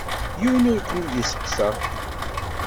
Yiwen ur ken-id-isteqsa.